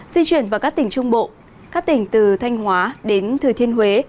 di chuyển vào các tỉnh trung bộ các tỉnh từ thanh hóa đến thừa thiên huế